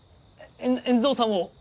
円蔵さんを。